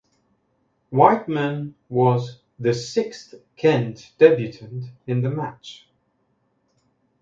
Wightman was the sixth Kent debutant in the match.